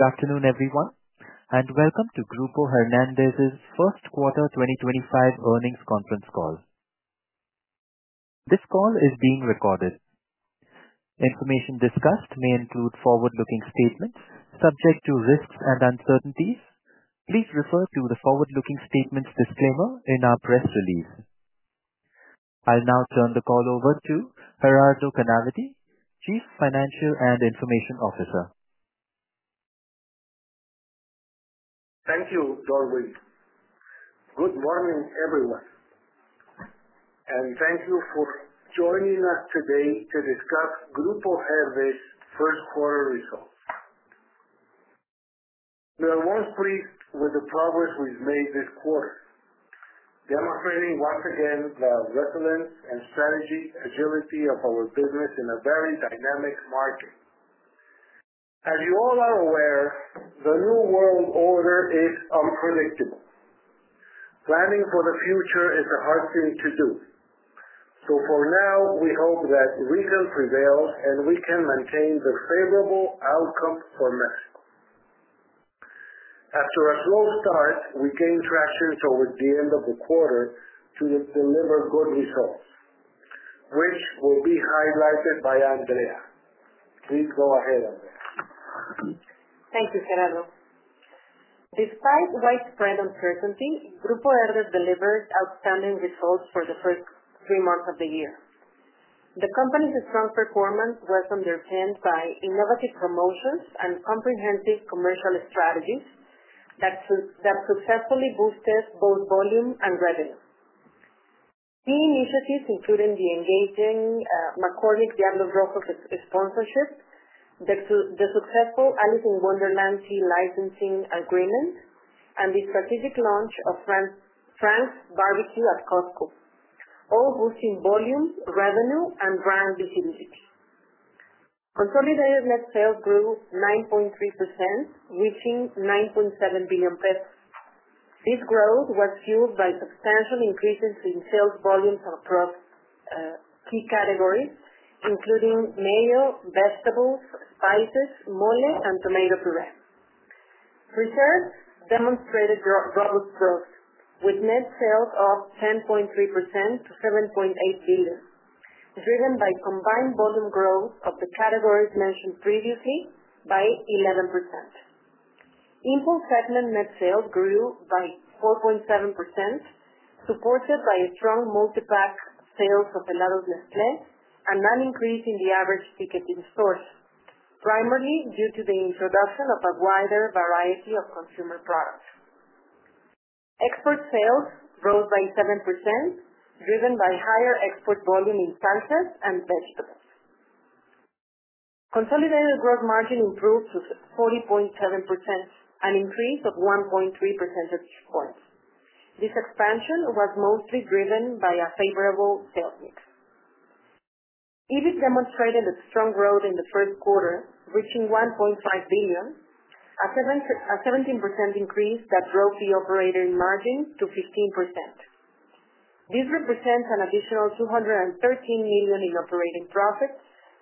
Good afternoon, everyone, and welcome to Grupo Herdez's First Quarter 2025 Earnings Conference Call. This call is being recorded. Information discussed may include forward-looking statements subject to risks and uncertainties. Please refer to the forward-looking statements disclaimer in our press release. I'll now turn the call over to Gerardo Canavati, Chief Financial and Information Officer. Thank you, Darwin. Good morning, everyone, and thank you for joining us today to discuss Grupo Herdez's first quarter results. We are most pleased with the progress we've made this quarter, demonstrating once again the resilience and strategic agility of our business in a very dynamic market. As you all are aware, the new world order is unpredictable. Planning for the future is a hard thing to do, so for now, we hope that regional prevails and we can maintain the favorable outcome for Mexico. After a slow start, we gained traction towards the end of the quarter to deliver good results, which will be highlighted by Andrea. Please go ahead, Andrea. Thank you, Gerardo. Despite widespread uncertainty, Grupo Herdez delivered outstanding results for the first three months of the year. The company's strong performance was underpinned by innovative promotions and comprehensive commercial strategies that successfully boosted both volume and revenue. Key initiatives included the engaging McCormick Diablos Rojos sponsorship, the successful Alice in Wonderland tea licensing agreement, and the strategic launch of Frank's Barbecue at Costco, all boosting volume, revenue, and brand visibility. Consolidated net sales grew 9.3%, reaching 9.7 billion pesos. This growth was fueled by substantial increases in sales volumes across key categories, including mayo, vegetables, spices, mole, and tomato purée. Preserves demonstrated robust growth, with net sales of 10.3% to 7.8 billion, driven by combined volume growth of the categories mentioned previously by 11%. Impulse segment net sales grew by 4.7%, supported by strong multi-pack sales of Helados Nestlé and an increase in the average ticket in stores, primarily due to the introduction of a wider variety of consumer products. Export sales rose by 7%, driven by higher export volume in salsas and vegetables. Consolidated gross margin improved to 40.7%, an increase of 1.3 percentage points. This expansion was mostly driven by a favorable sales mix. EBIT demonstrated a strong growth in the first quarter, reaching 1.5 billion, a 17% increase that drove the operating margin to 15%. This represents an additional 213 million in operating profit,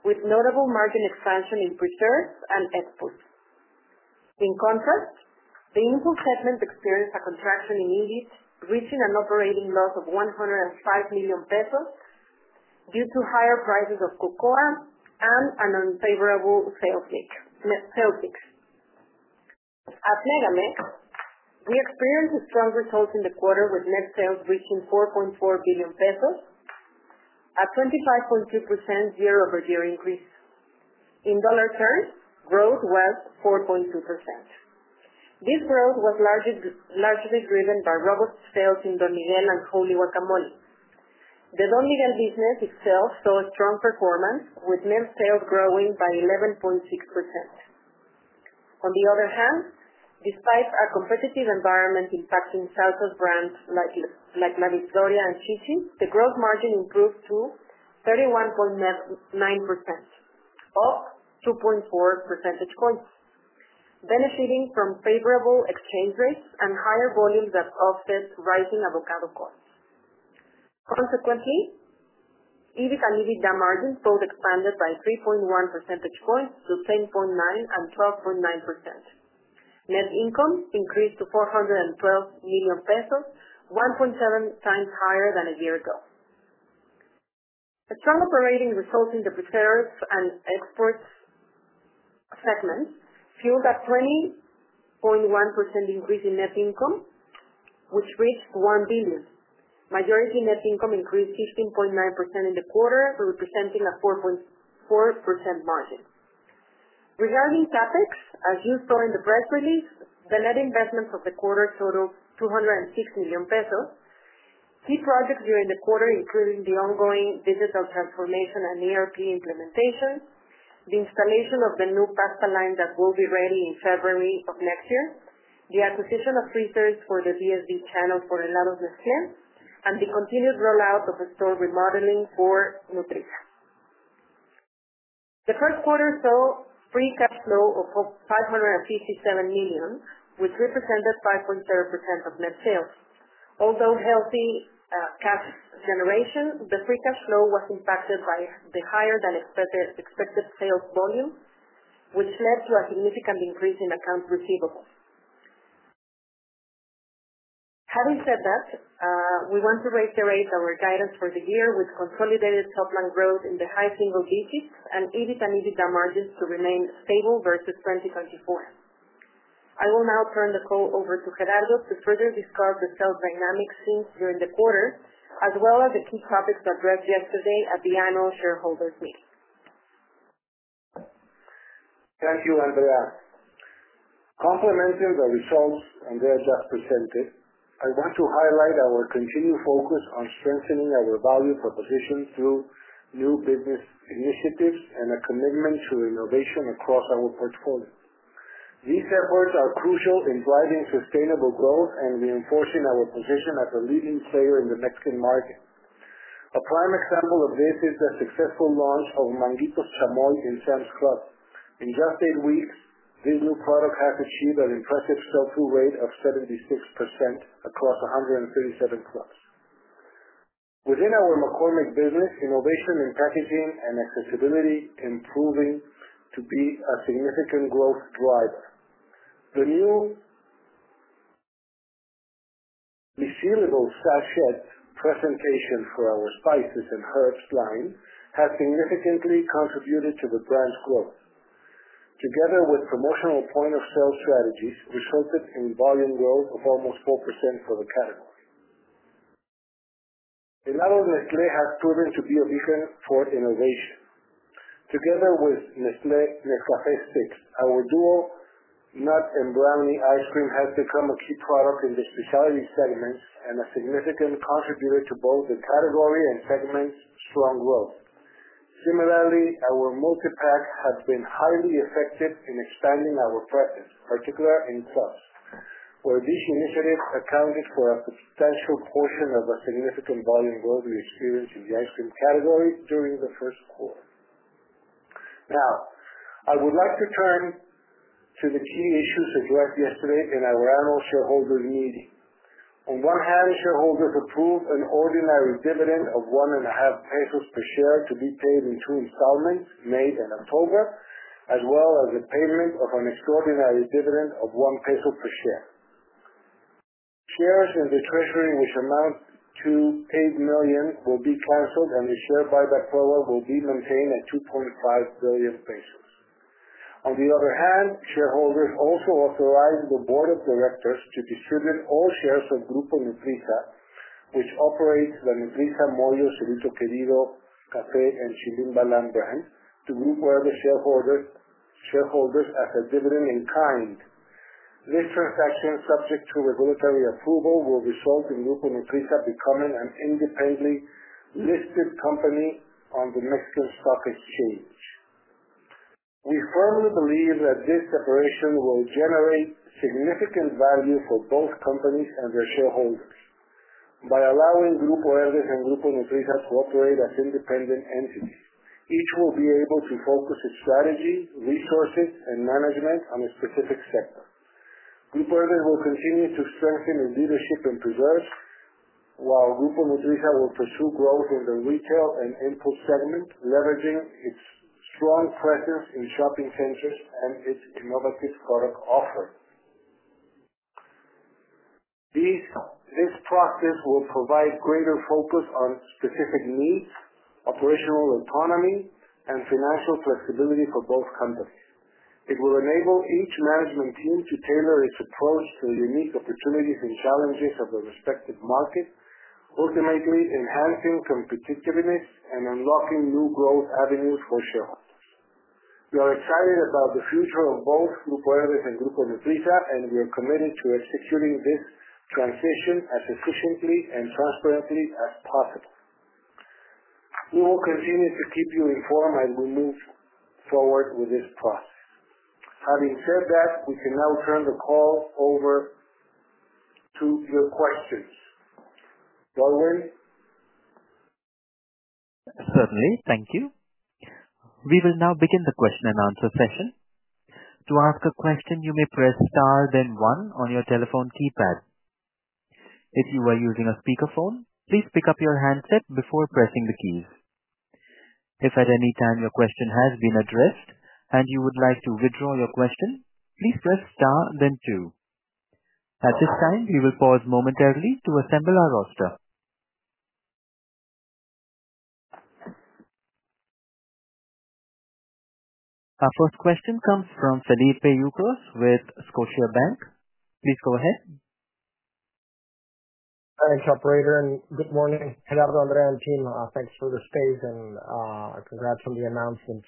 with notable margin expansion in preserves and exports. In contrast, the impulse segment experienced a contraction in EBIT, reaching an operating loss of 105 million pesos due to higher prices of cocoa and an unfavorable sales mix. At Megamex, we experienced strong results in the quarter, with net sales reaching MXN 4.4 billion, a 25.2% year-over-year increase. In dollar terms, growth was 4.2%. This growth was largely driven by robust sales in Don Miguel and Wholly Guacamole. The Don Miguel business itself saw strong performance, with net sales growing by 11.6%. On the other hand, despite a competitive environment impacting salsas brands like La Victoria and Chi-Chi's, the gross margin improved to 31.9%, up 2.4 percentage points, benefiting from favorable exchange rates and higher volumes that offset rising avocado costs. Consequently, EBIT and EBITDA margins both expanded by 3.1 percentage points to 10.9% and 12.9%. Net income increased to 412 million pesos, 1.7 times higher than a year ago. Strong operating results in the preserves and exports segments fueled a 20.1% increase in net income, which reached 1 billion. Majority net income increased 15.9% in the quarter, representing a 4.4% margin. Regarding CapEx, as you saw in the press release, the net investments of the quarter totaled 206 million pesos. Key projects during the quarter included the ongoing digital transformation and ERP implementation, the installation of the new pasta line that will be ready in February of next year, the acquisition of freezers for the DSD channel for Helados Nestlé, and the continued rollout of store remodeling for Nutrisa. The first quarter saw free cash flow of 557 million, which represented 5.0% of net sales. Although healthy cash generation, the free cash flow was impacted by the higher-than-expected sales volume, which led to a significant increase in accounts receivable. Having said that, we want to reiterate our guidance for the year with consolidated top-line growth in the high single digits and EBIT and EBITDA margins to remain stable versus 2024. I will now turn the call over to Gerardo to further discuss the sales dynamics seen during the quarter, as well as the key topics addressed yesterday at the annual shareholders' meeting. Thank you, Andrea. Complimenting the results Andrea just presented, I want to highlight our continued focus on strengthening our value propositions through new business initiatives and a commitment to innovation across our portfolio. These efforts are crucial in driving sustainable growth and reinforcing our position as a leading player in the Mexican market. A prime example of this is the successful launch of Manguitos Chamoy in Sam's Club. In just eight weeks, this new product has achieved an impressive sell-through rate of 76% across 137 clubs. Within our McCormick business, innovation in packaging and accessibility is proving to be a significant growth driver. The new resealable sachet presentation for our spices and herbs line has significantly contributed to the brand's growth. Together with promotional point-of-sale strategies, it resulted in volume growth of almost 4% for the category. Helados Nestlé has proven to be a beacon for innovation. Together with Nestlé Nescafé Sticks, our Duo Nut and brownie ice cream has become a key product in the specialty segments and a significant contributor to both the category and segment's strong growth. Similarly, our multi-pack has been highly effective in expanding our presence, particularly in clubs, where this initiative accounted for a substantial portion of the significant volume growth we experienced in the ice cream category during the first quarter. Now, I would like to turn to the key issues addressed yesterday in our annual shareholders' meeting. On one hand, shareholders approved an ordinary dividend of 1.5 pesos per share to be paid in two installments made in October, as well as the payment of an extraordinary dividend of 1 peso per share. Shares in the treasury, which amount to 8 million, will be canceled, and the share buyback program will be maintained at 2.5 billion pesos. On the other hand, shareholders also authorized the board of directors to distribute all shares of Grupo Nutrisa, which operates the Nutrisa, Moyo, Cielito Querido Café, and Chilim Balam brand, to Grupo Herdez shareholders as a dividend in kind. This transaction, subject to regulatory approval, will result in Grupo Nutrisa becoming an independently listed company on the Mexican Stock Exchange. We firmly believe that this separation will generate significant value for both companies and their shareholders. By allowing Grupo Herdez and Grupo Nutrisa to operate as independent entities, each will be able to focus its strategy, resources, and management on a specific sector. Grupo Herdez will continue to strengthen its leadership in preserves, while Grupo Nutrisa will pursue growth in the retail and impulse segment, leveraging its strong presence in shopping centers and its innovative product offerings. This process will provide greater focus on specific needs, operational autonomy, and financial flexibility for both companies. It will enable each management team to tailor its approach to the unique opportunities and challenges of the respective market, ultimately enhancing competitiveness and unlocking new growth avenues for shareholders. We are excited about the future of both Grupo Herdez and Grupo Nutrisa, and we are committed to executing this transition as efficiently and transparently as possible. We will continue to keep you informed as we move forward with this process. Having said that, we can now turn the call over to your questions. Darwin? Certainly, thank you. We will now begin the question and answer session. To ask a question, you may press star, then one on your telephone keypad. If you are using a speakerphone, please pick up your handset before pressing the keys. If at any time your question has been addressed and you would like to withdraw your question, please press star, then two. At this time, we will pause momentarily to assemble our roster. Our first question comes from Felipe Ucros Nunez with Scotiabank. Please go ahead. Thanks, operator, and good morning. Gerardo, Andrea and team, thanks for the space and congrats on the announcement.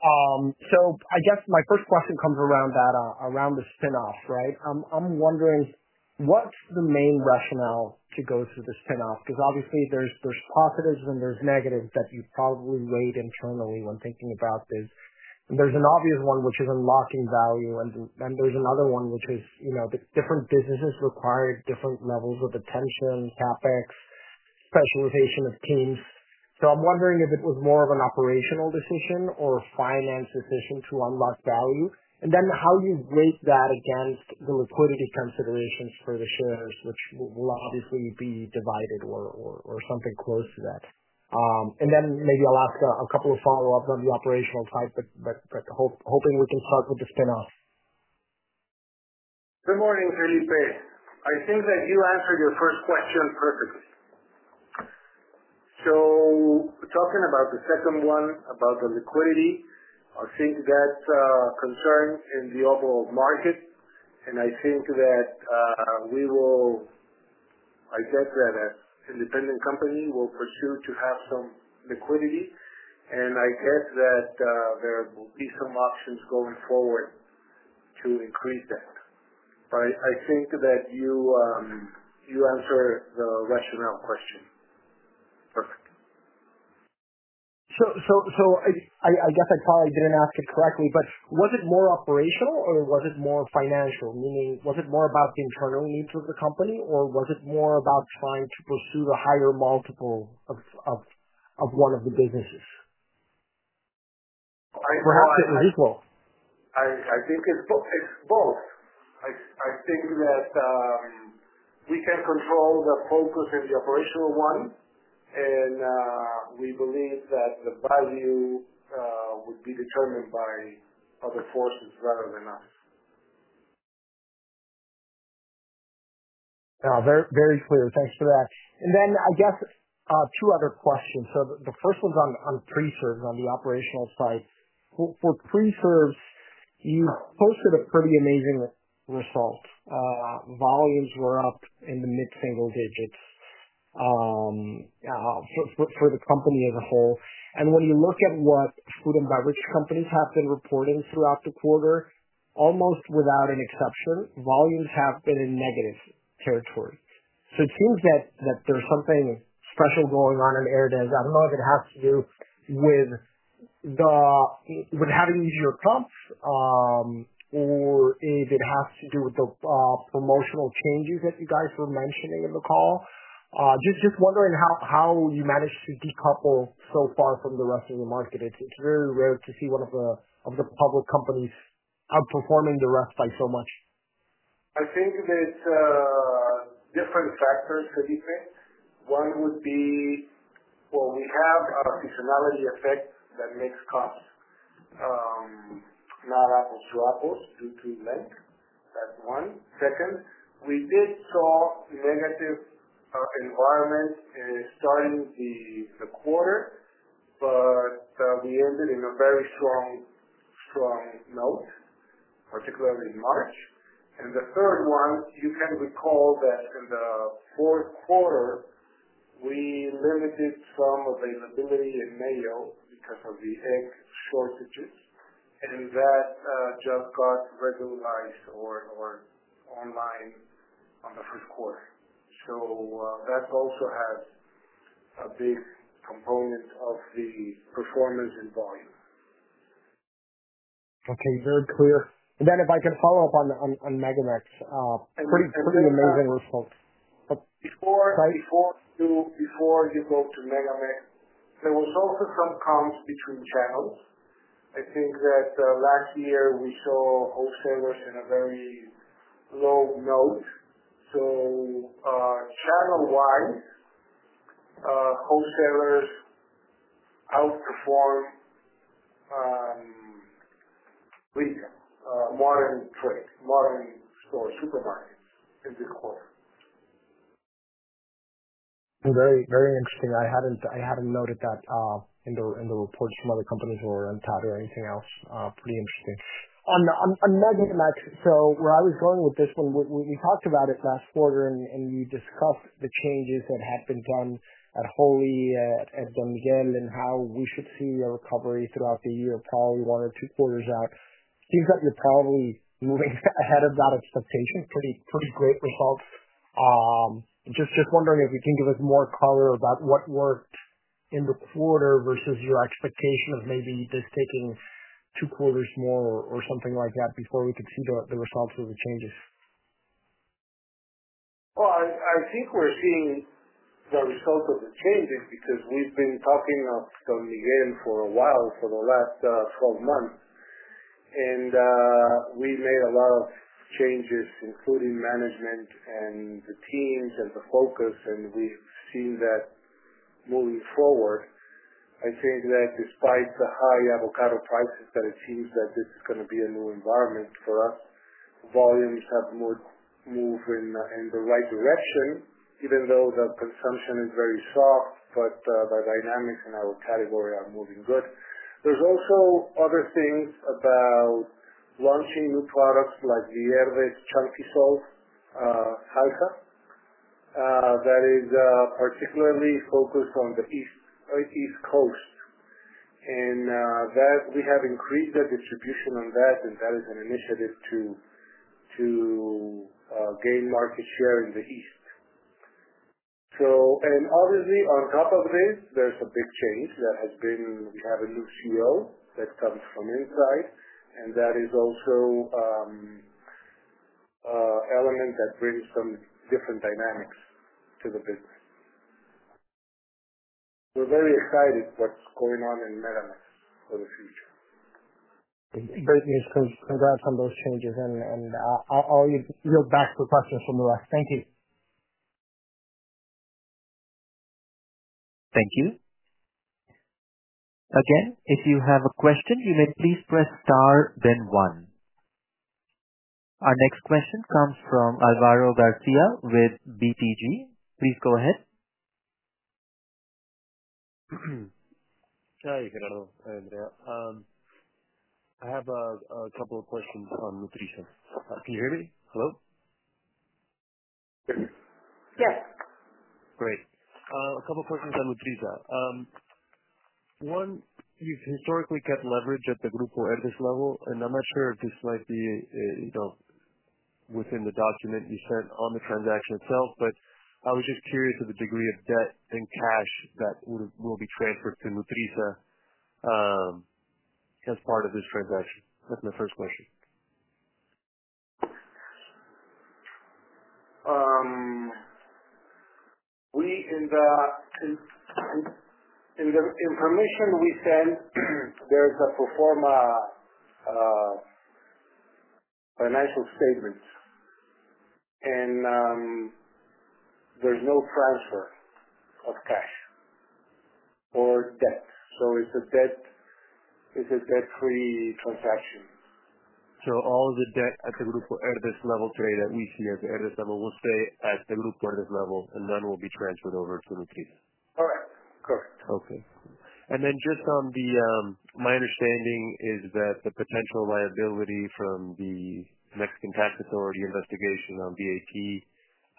I guess my first question comes around the spinoff, right? I'm wondering, what's the main rationale to go through the spinoff? Because obviously, there's positives and there's negatives that you probably weighed internally when thinking about this. There's an obvious one, which is unlocking value, and then there's another one, which is different businesses require different levels of attention, CapEx, specialization of teams. I'm wondering if it was more of an operational decision or a finance decision to unlock value, and then how you weigh that against the liquidity considerations for the shares, which will obviously be divided or something close to that. Maybe I'll ask a couple of follow-ups on the operational side, but hoping we can start with the spinoff. Good morning, Felipe. I think that you answered your first question perfectly. Talking about the second one, about the liquidity, I think that's a concern in the overall market, and I think that we will, I guess that as an independent company, we'll pursue to have some liquidity, and I guess that there will be some options going forward to increase that. I think that you answered the rationale question perfectly. I guess I probably didn't ask it correctly, but was it more operational or was it more financial? Meaning, was it more about the internal needs of the company, or was it more about trying to pursue the higher multiple of one of the businesses? Perhaps it was equal. I think it's both. I think that we can control the focus in the operational one, and we believe that the value would be determined by other forces rather than us. Very clear. Thanks for that. I guess two other questions. The first one's on preserves, on the operational side. For preserves, you posted a pretty amazing result. Volumes were up in the mid-single digits for the company as a whole. When you look at what food and beverage companies have been reporting throughout the quarter, almost without an exception, volumes have been in negative territory. It seems that there's something special going on in Herdez. I do not know if it has to do with having easier comps or if it has to do with the promotional changes that you guys were mentioning in the call. Just wondering how you managed to decouple so far from the rest of the market. It's very rare to see one of the public companies outperforming the rest by so much. I think that different factors, Felipe. One would be, well, we have a seasonality effect that makes comps not apples to apples due to Lent. That's one. Second, we did see negative environments starting the quarter, but we ended in a very strong note, particularly in March. The third one, you can recall that in the fourth quarter, we limited some availability in mayo because of the egg shortages, and that just got regularized or online on the first quarter. That also has a big component of the performance and volume. Okay, very clear. If I can follow up on MegaMex, pretty amazing results. Before you go to MegaMex, there was also some comps between channels. I think that last year we saw wholesalers in a very low note. Channel-wise, wholesalers outperformed modern stores, supermarkets in this quarter. Very interesting. I hadn't noted that in the reports from other companies or in ANTAD or anything else. Pretty interesting. On MegaMex, where I was going with this one, we talked about it last quarter, and you discussed the changes that had been done at Wholly at Don Miguel and how we should see a recovery throughout the year, probably one or two quarters out. Seems that you're probably moving ahead of that expectation. Pretty great results. Just wondering if you can give us more color about what worked in the quarter versus your expectation of maybe just taking two quarters more or something like that before we could see the results of the changes. I think we're seeing the results of the changes because we've been talking of Don Miguel for a while for the last 12 months, and we made a lot of changes, including management and the teams and the focus, and we've seen that moving forward. I think that despite the high avocado prices, that it seems that this is going to be a new environment for us. Volumes have moved in the right direction, even though the consumption is very soft, but the dynamics in our category are moving good. There's also other things about launching new products like the Herdez Chunky Salsa, that is particularly focused on the East Coast. We have increased the distribution on that, and that is an initiative to gain market share in the East. Obviously, on top of this, there is a big change that has been we have a new CEO that comes from inside, and that is also an element that brings some different dynamics to the business. We are very excited about what is going on in MegaMex for the future. Thank you. Congrats on those changes, and I'll yield back to questions from the rest. Thank you. Thank you. Again, if you have a question, you may please press star, then one. Our next question comes from Alvaro Garcia with BTG. Please go ahead. Hi, Gerardo, Andrea. I have a couple of questions on Nutrisa. Can you hear me? Hello? Yes. Great. A couple of questions on Nutrisa. One, you've historically kept leverage at the Grupo Herdez level, and I'm not sure if this might be within the document you sent on the transaction itself, but I was just curious of the degree of debt and cash that will be transferred to Nutrisa as part of this transaction. That's my first question. In the information we sent, there's a pro forma financial statement, and there's no transfer of cash or debt. It's a debt-free transaction. All of the debt at the Grupo Herdez level today that we see as Herdez level will stay at the Grupo Herdez level, and none will be transferred over to Nutrisa. Correct. Correct. Okay. And then just on the my understanding is that the potential liability from the Mexican tax authority investigation on VAT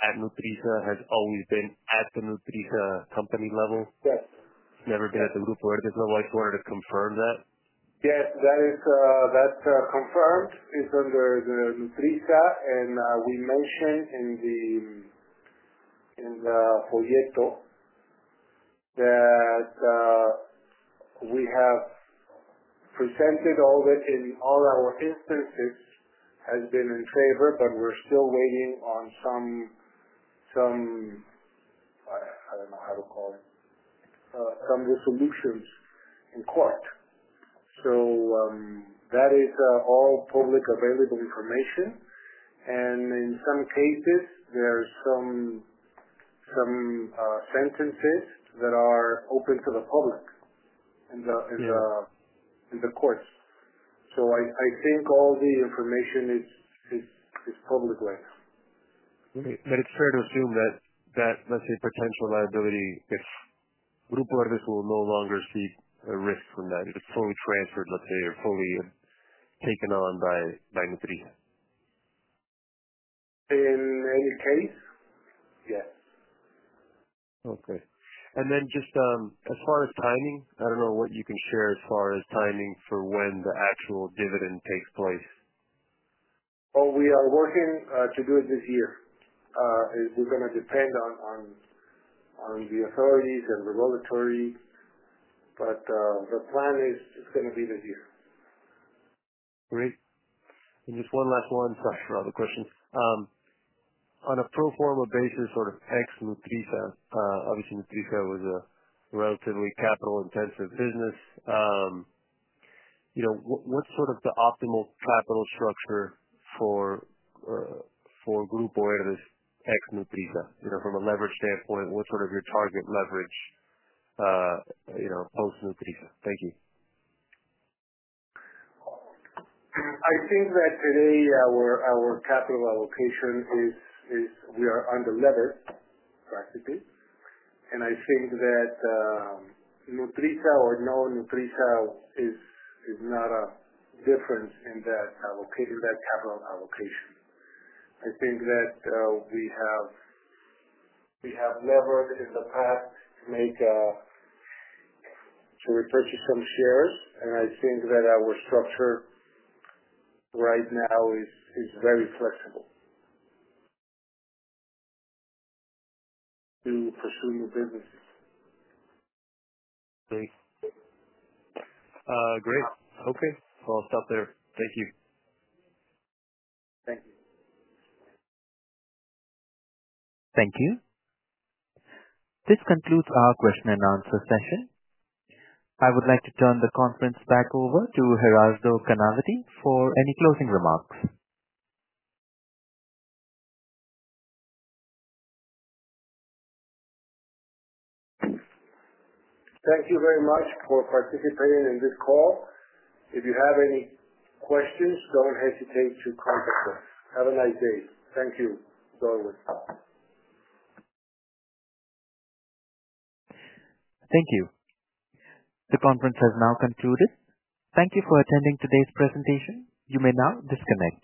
at Nutrisa has always been at the Nutrisa company level. Yes. It's never been at Grupo Herdez. I just wanted to confirm that. Yes, that's confirmed. It's under the Nutrisa, and we mentioned in the folleto that we have presented all of it in all our instances has been in favor, but we're still waiting on some, I don't know how to call it, some resolutions in court. That is all public available information, and in some cases, there are some sentences that are open to the public in the courts. I think all the information is public right now. It is fair to assume that, let's say, potential liability, if Grupo Herdez will no longer see a risk from that, if it is fully transferred, let's say, or fully taken on by Nutrisa. In any case, yes. Okay. Just as far as timing, I don't know what you can share as far as timing for when the actual dividend takes place. We are working to do it this year. It's going to depend on the authorities and the regulatory, but the plan is going to be this year. Great. Just one last question for all the questions. On a pro forma basis, sort of ex Nutrisa, obviously Nutrisa was a relatively capital-intensive business. What's sort of the optimal capital structure for Grupo Herdez ex Nutrisa? From a leverage standpoint, what's sort of your target leverage post-Nutrisa? Thank you. I think that today our capital allocation is we are under leverage, practically, and I think that Nutrisa or no Nutrisa is not a difference in that capital allocation. I think that we have leveraged in the past to repurchase some shares, and I think that our structure right now is very flexible to pursue new businesses. Great. Great. Okay. I'll stop there. Thank you. Thank you. Thank you. This concludes our question and answer session. I would like to turn the conference back over to Gerardo Canavati for any closing remarks. Thank you very much for participating in this call. If you have any questions, don't hesitate to contact us. Have a nice day. Thank you. Enjoy the rest. Thank you. The conference has now concluded. Thank you for attending today's presentation. You may now disconnect.